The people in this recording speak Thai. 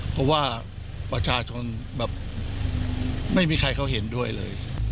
เพราะว่าประชาชนแบบไม่มีใครเขาเห็นด้วยเลย